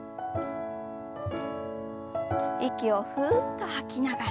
息をふっと吐きながら。